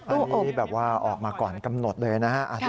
อันนี้แบบว่าออกมาก่อนกำหนดเลยนะฮะ